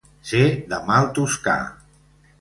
Ser de mal toscar.